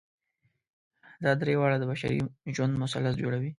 دا درې واړه د بشري ژوند مثلث جوړوي.